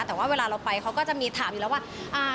แต่ว่าเวลาเราไปเขาก็จะมีถามอยู่แล้วว่า